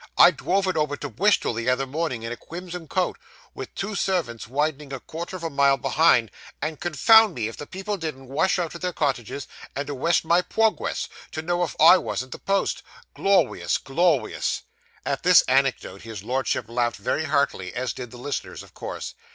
'I dwove it over to Bwistol the other morning, in a cwimson coat, with two servants widing a quarter of a mile behind; and confound me if the people didn't wush out of their cottages, and awest my pwogwess, to know if I wasn't the post. Glorwious glorwious!' At this anecdote his Lordship laughed very heartily, as did the listeners, of course.